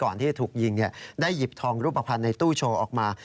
ที่จะถูกยิงได้หยิบทองรูปภัณฑ์ในตู้โชว์ออกมา